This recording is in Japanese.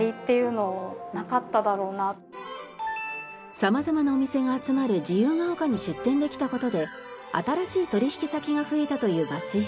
様々なお店が集まる自由が丘に出店できた事で新しい取引先が増えたという桝井さん。